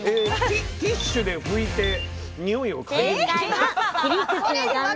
ティッシュで拭いてにおいを嗅いで。